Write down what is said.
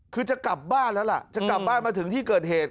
คือจะกลับบ้านแล้วล่ะจะกลับบ้านมาถึงที่เกิดเหตุ